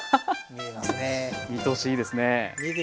見通しいいですね。